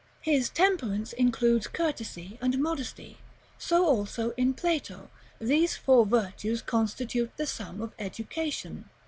His Temperance includes courtesy and modesty. So also, in Plato, these four virtues constitute the sum of education.